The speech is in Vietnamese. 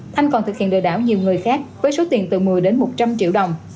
thanh còn thực hiện lừa đảo nhiều người khác với số tiền từ một mươi đến một trăm linh triệu đồng